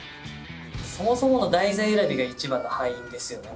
そもそもの題材選びが一番の敗因ですよね